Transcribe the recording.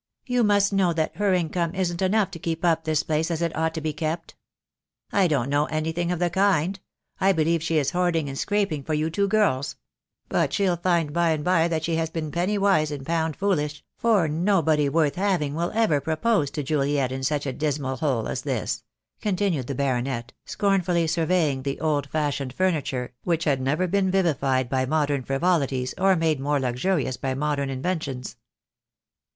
"You must know that her income isn't enough to keep up this place as it ought to be kept." "I don't know anything of the kind. I believe she is hoarding and scraping for you two girls; but she'll find by and by that she has been penny wise and pound foolish, for nobody worth having will ever propose to Juliet in such a dismal hole as this," continued the baronet, scornfully surveying the old fashioned furniture, which had never been vivified by modern frivolities, or made more luxurious by modern inventions.